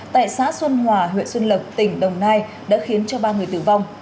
tại xã xuân hòa huyện xuân lộc tỉnh đồng nai đã khiến cho ba người tử vong